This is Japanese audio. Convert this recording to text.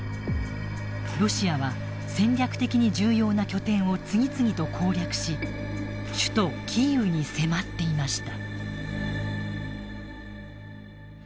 ロシアは戦略的に重要な拠点を次々と攻略し首都キーウに迫っていました。